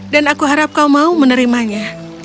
dan aku harap kau mau menerimanya